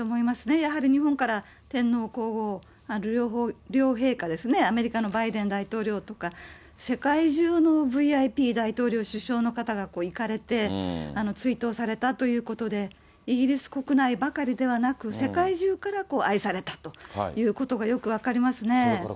やはり日本から天皇皇后両陛下ですね、アメリカのバイデン大統領とか、世界中のＶＩＰ、大統領、首相の方が行かれて、追悼されたということで、イギリス国内ばかりではなく、世界中から愛されたということがよく分かりますね。